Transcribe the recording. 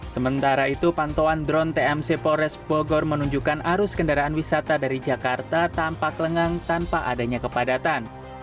sementara itu pantauan drone tmc polres bogor menunjukkan arus kendaraan wisata dari jakarta tampak lengang tanpa adanya kepadatan